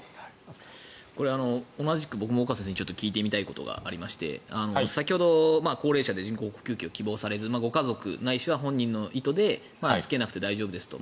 同じく僕も、岡先生に聞いてみたいことがありまして先ほど高齢者で人工呼吸器を希望されないご家族ないしは本人の意図でつけなくて大丈夫ですと。